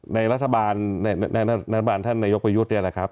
ในรัฐบาลในรัฐบาลท่านนายกประยุทธ์เนี่ยนะครับ